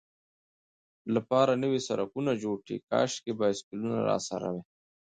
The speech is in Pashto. لپاره نوي سړکونه جوړ کړي، کاشکې بایسکلونه راسره وای.